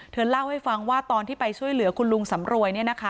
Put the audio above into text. เล่าให้ฟังว่าตอนที่ไปช่วยเหลือคุณลุงสำรวย